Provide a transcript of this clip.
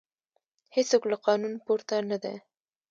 هیڅوک له قانون پورته نه دی